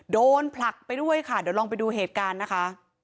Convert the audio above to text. โดนผลักไปด้วยค่ะเดี๋ยวลองไปดูเหตุการณ์นะคะ